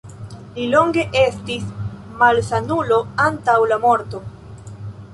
Li longe estis malsanulo antaŭ la morto.